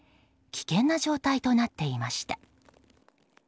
危険な状態となっていました。